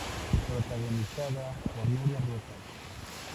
Protagonizada por Nuria Rojas.